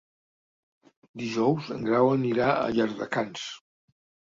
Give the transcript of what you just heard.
Dijous en Grau anirà a Llardecans.